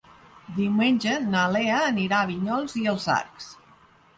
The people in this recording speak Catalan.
Diumenge na Lea anirà a Vinyols i els Arcs.